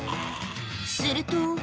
すると。